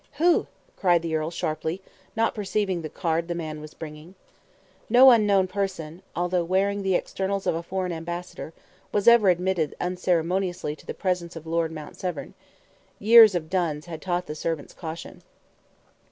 "Who?" cried the earl, sharply, not perceiving the card the man was bringing. No unknown person, although wearing the externals of a foreign ambassador, was ever admitted unceremoniously to the presence of Lord Mount Severn. Years of duns had taught the servants caution.